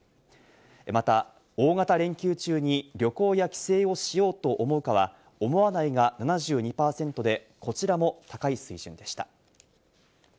また大型連休中に旅行や帰省をしようと思うかは思わないが７２％で、こちらも高い水準でした。